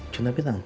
chúng ta biết rằng